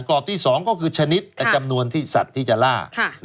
กรอบที่๒ก็คือชนิดจำนวนที่สัตว์ที่จะล่า